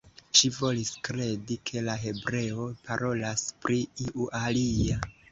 Ŝi volis kredi, ke la hebreo parolas pri iu alia.